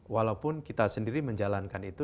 walaupun kita sendiri menjalankan itu